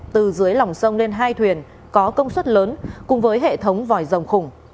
từ dưới lòng sông lên hai thuyền có công suất lớn cùng với hệ thống vòi rồng khủng